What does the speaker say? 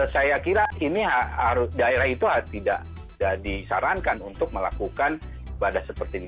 saya kira ini daerah itu tidak disarankan untuk melakukan ibadah seperti ini